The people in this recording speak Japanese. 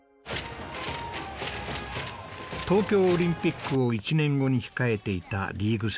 東京オリンピックを１年後に控えていたリーグ戦。